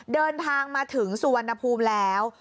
เดินทางมาถึงสุวรรณภูมิแล้ว